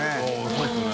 そうですね